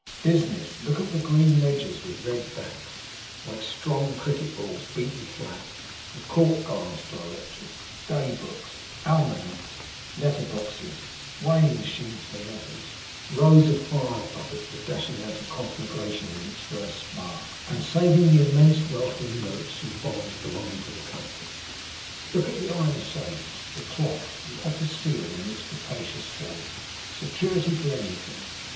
Business! Look at the green ledgers with red backs, like strong cricket balls beaten flat; the court guides directories, day books, almanacks, letter boxes, weighing machines for letters, rows of fire buckets for dashing out a conflagration in its first spark, and saving the immense wealth in notes and bonds belonging to the company; look at the iron safes, the clock, the office seal in its capacious self, security for anything.